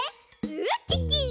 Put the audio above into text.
ウッキッキ！